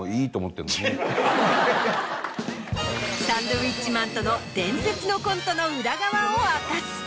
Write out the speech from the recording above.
サンドウィッチマンとの伝説のコントの裏側を明かす。